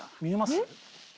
見えます？